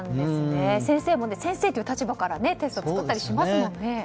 先生も、先生という立場からテスト作ったりしますもんね。